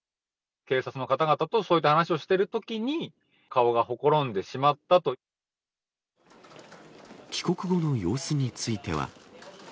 警察の方々とそういった話をしているときに、帰国後の様子については。